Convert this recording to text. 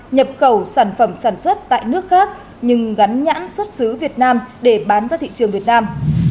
nhập khẩu sản phẩm sản xuất tại nước khác nhưng gắn nhãn xuất xứ việt nam để bán ra thị trường việt nam